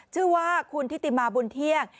ชื่อว่าคุณทิติมาบุญเที่ยง